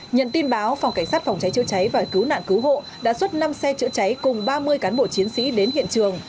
nhận tin báo phòng cảnh sát phòng cháy chữa cháy và cứu nạn cứu hộ đã xuất năm xe chữa cháy cùng ba mươi cán bộ chiến sĩ đến hiện trường